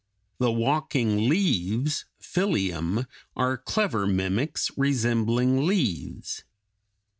The walking leaves (Phyllium) (Fig. 194) are clever mimics, resembling leaves.